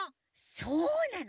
そうなの。